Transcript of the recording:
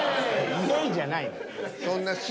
「イェイ」じゃない。